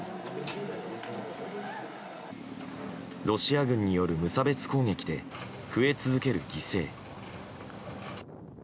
ロシア軍による無差別攻撃で増え続ける犠牲。